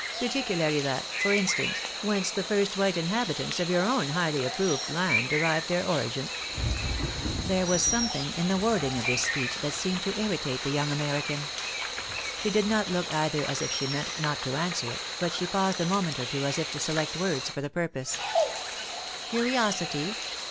— particularly that, for instance, whence the first white inhabitants of your own highly approved land de rived their origin ?" There was something in the wording of this speech that seemed to irritate the young American. She did not look either as if she meant not to answer it, but she paused a moment or two as if to select words for the purpose. " Curiosity